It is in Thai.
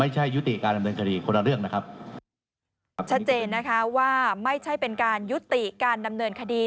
ชัดเจนนะคะว่าไม่ใช่เป็นการยุติการดำเนินคดี